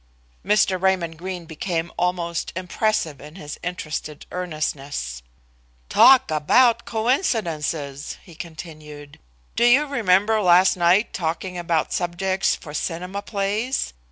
Mr. Raymond Greene became almost impressive in his interested earnestness. "Talk about coincidences!" he continued. "Do you remember last night talking about subjects for cinema plays?